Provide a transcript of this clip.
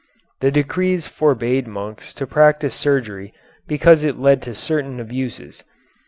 The decrees forbade monks to practise surgery because it led to certain abuses.